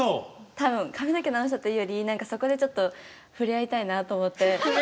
多分髪の毛直したというより何かそこでちょっと触れ合いたいなと思って。